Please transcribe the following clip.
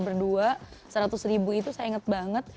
berdua seratus ribu itu saya ingat banget